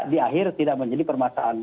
di akhir tidak menjadi permasalahan